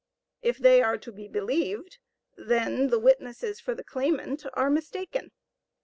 If they are believed, then the witnesses for the claimant are mistaken.